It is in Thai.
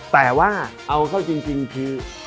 แต่ว่าเอาเข้าจริงคือ